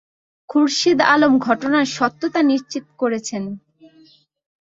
খুরশিদ আলম ঘটনার সত্যতা নিশ্চিত করেছেন।